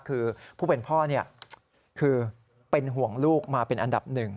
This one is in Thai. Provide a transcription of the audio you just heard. คือผู้เป็นพ่อคือเป็นห่วงลูกมาเป็นอันดับหนึ่ง